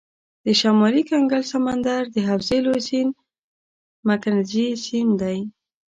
د شمالي کنګل سمندر د حوزې لوی سیند مکنزي سیند دی.